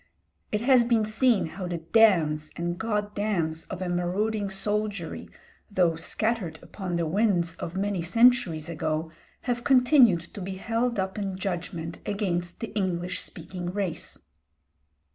It has been seen how the "damns" and "goddams" of a marauding soldiery, though scattered upon the winds of many centuries ago, have continued to be held up in judgment against the English speaking race.